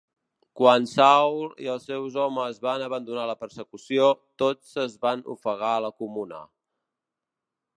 Quan Sawyl i els seus homes van abandonar la persecució, tots es van ofegar a la comuna.